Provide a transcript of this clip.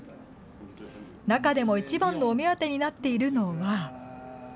中でも一番のお目当てになっているのは。